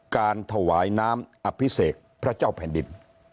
การถวายน้ำอภิเษกพระเจ้าแผ่นดิน